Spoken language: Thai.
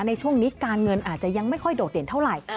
ในช่วงนี้การเงินอาจจะยังไม่ค่อยโดดเด่นเท่าไหร่